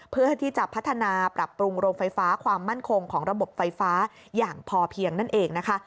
เพื่อที่จะพัฒนาปรับปรุงโรงไฟฟ้าความมั่นคงของระบบไฟฟ้าอย่างพอเพียงนั่นเองนะคะ